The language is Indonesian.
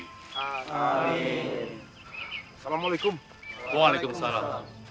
amin salamualaikum waalaikum salam